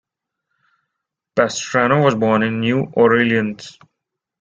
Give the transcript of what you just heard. Pastrano was born in New Orleans.